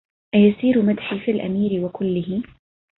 أيسير مدحي في الأمير وكله